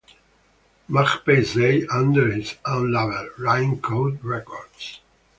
"Mag Pai Zai" under his own label, Rimecoat Records.